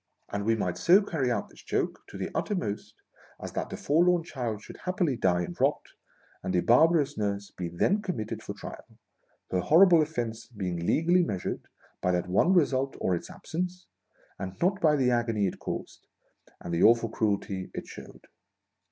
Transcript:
And we might so carry out this joke to the uttermost as that the forlorn child should happily die and rot, and the barbarous nurse be then committed for trial ; her horrible offence being legally measured by that one result or its absence, and not by the agony it caused, and the awful cruelty it shewed.